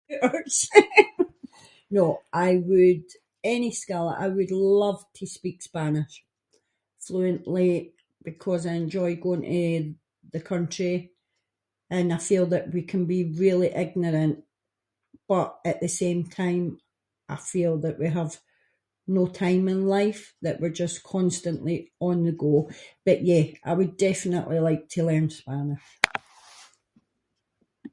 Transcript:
[inc] No, I would- any skill, I would love to speak Spanish, fluently, because I enjoy going to the country and I feel that we can be really ignorant but at the same time I feel that we have no time in life that we’re just constantly on the go, but yeah, I would definitely like to learn Spanish.